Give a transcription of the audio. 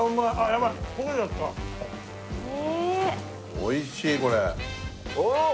おいしいこれ。